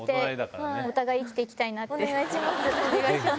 お願いします。